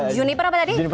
juniper apa tadi